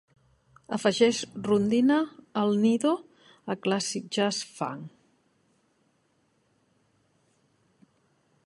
Afegeix rondine al nido a Classic Jazz Funk